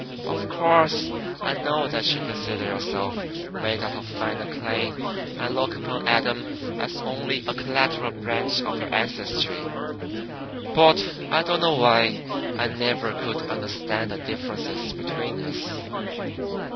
Of course, I know that you consider yourselves made out of finer clay and look upon Adam as only a collateral branch of your ancestry; but I don't know why. I never could understand the differences between us."